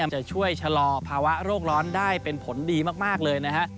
จะช่วยชะลอภาวะโรคร้อนได้เป็นผลดีมากเลยนะฮะ